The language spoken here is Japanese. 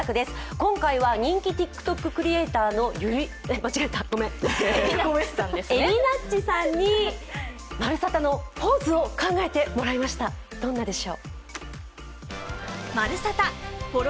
今回は人気ＴｉｋＴｏｋクリエーターのえりなっちさんに「まるサタ」のポーズを考えてもらいました、どんなでしょう。